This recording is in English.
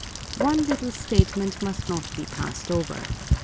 One little statement must not be passed over.